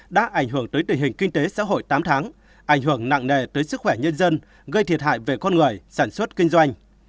đã ảnh hưởng tới tình hình kinh tế xã hội tám tháng ảnh hưởng nặng nề tới sức khỏe nhân dân gây thiệt hại về con người sản xuất kinh doanh